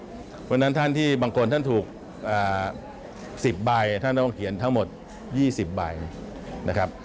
เพราะฉะนั้นท่านที่บางคนท่านถูก๑๐ใบท่านต้องเขียนทั้งหมด๒๐ใบนะครับ